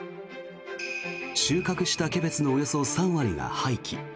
収穫したキャベツのおよそ３割が廃棄。